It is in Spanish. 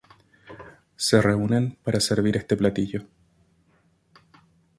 Se reúnen para servir este platillo.